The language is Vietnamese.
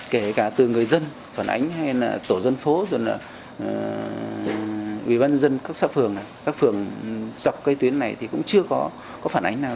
kể cả từ người dân phản ánh hay là tổ dân phố rồi là ủy ban dân các phường dọc cây tuyến này thì cũng chưa có phản ánh nào